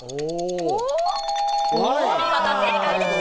お見事、正解です。